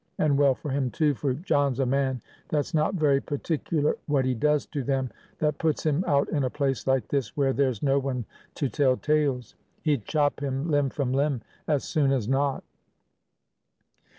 And well for him too, for John's a man that's not very particular what he does to them that puts him out in a place like this where there's no one to tell tales. He'd chop him limb from limb, as soon as not."